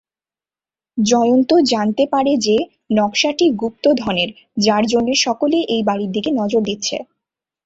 জয়ন্ত জানতে পারে যে নকশাটি গুপ্তধনের যার জন্যে সকলে এই বাড়ির দিকে নজর দিচ্ছে।